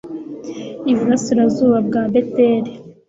iburasirazuba bwa beteli